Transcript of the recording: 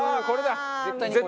これだ。